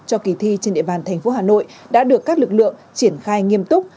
cho kỳ thi trên địa bàn thành phố hà nội đã được các lực lượng triển khai nghiêm túc